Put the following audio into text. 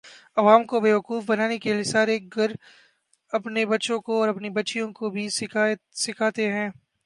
عوام کو بیوقوف بنانے کے سارے گُر اپنے بچوں کو اور اپنی بچیوں کو بھی سیکھاتے ہیں